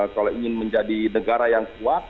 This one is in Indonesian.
kalau ingin menjadi negara yang kuat